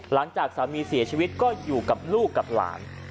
หลังจากสามีเสียชีวิตก็อยู่กับลูกกับหลาน